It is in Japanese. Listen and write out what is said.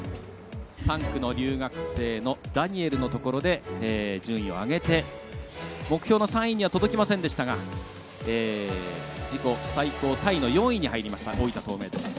３区の留学生のダニエルのところで順位を上げて、目標の３位には届きませんでしたが自己最高タイの４位に入りました大分東明です。